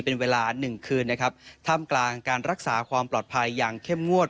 เป็นเวลาหนึ่งคืนนะครับท่ามกลางการรักษาความปลอดภัยอย่างเข้มงวด